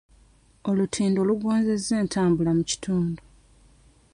Olutindo lugonzezza entambula mu kitundu.